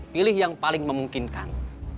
pilih yang paling memungkinkan